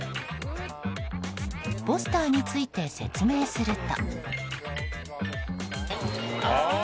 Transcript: ポスターについて説明すると。